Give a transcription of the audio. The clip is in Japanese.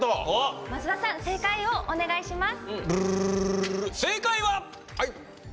増田さん正解をお願いします。